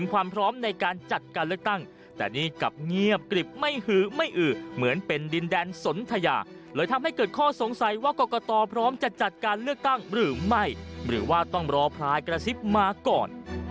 ว่ากรกต่อพร้อมจะจัดการเลือกตั้งหรือไม่หรือว่าต้องรอพลายกระซิบมาก่อน